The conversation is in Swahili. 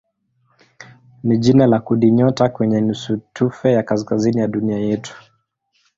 ni jina la kundinyota kwenye nusutufe ya kaskazini ya dunia yetu.